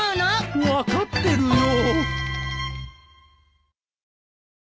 分かってるよ。